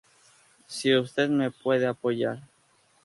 Si usted me puede ayudar...".